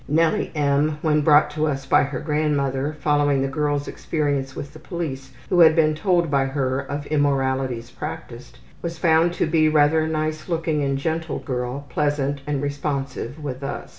Nellie M., when brought to us by her grandmother, following the girl's experience with the police who had been told by her of immoralities practiced, was found to be rather a nice looking and gentle girl, pleasant and responsive with us.